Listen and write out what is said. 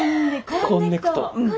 こんねくと。